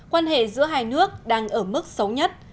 quan hệ giữa hai nước đang ở mức xấu nhất